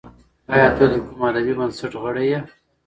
ایا ته د کوم ادبي بنسټ غړی یې؟